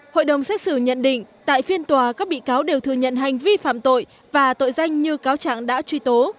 hội đồng xét xử nhận định tại phiên tòa các bị cáo đều thừa nhận hành vi phạm tội và tội danh như cáo trạng đã truy tố